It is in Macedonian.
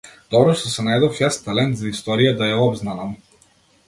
Добро што се најдов јас, талент за историја, да ја обзнанам.